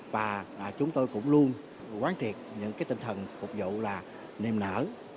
và chúng tôi cũng luôn quán triệt những cái tinh thần phục vụ là niềm nở